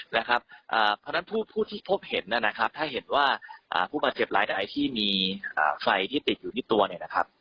เพราะฉะนั้นผู้ที่พบเห็นนะครับถ้าเห็นว่าผู้บาดเจ็บหลายที่มีไฟที่ติดอยู่ที่ตัวเนี่ยนะครับ